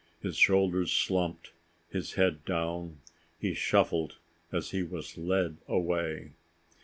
His shoulders slumped, his head down, he shuffled as he was led away.